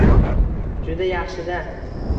Juda yaxshida!